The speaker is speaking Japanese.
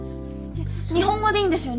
日本語でいいんですよ